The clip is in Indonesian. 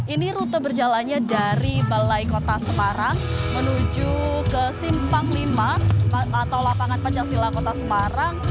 ini rute berjalannya dari balai kota semarang menuju ke simpang v atau lapangan pencaksilat kota semarang